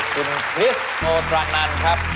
คุณคริสโนตรานันครับ